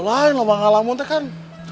lain lah ngelamun tuh kan